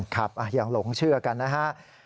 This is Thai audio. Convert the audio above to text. ครับอย่างหลงเชื่อกันนะฮะ